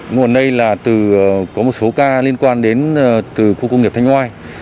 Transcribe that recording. nguồn nây là có một số ca liên quan đến khu công nghiệp thanh oai